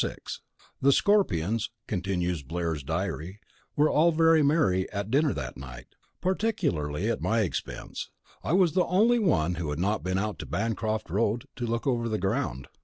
VI The Scorpions (continues Blair's diary) were all very merry at dinner that night particularly at my expense. I was the only one who had not been out to Bancroft Road to look over the ground.